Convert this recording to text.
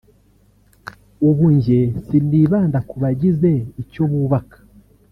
ubu njye sinibanda kubagize icyo bubaka